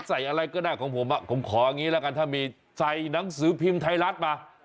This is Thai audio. ใส่อะไรก็ได้ของผมผมขออย่างนี้ละกันถ้ามีใส่หนังสือพิมพ์ไทยรัฐมา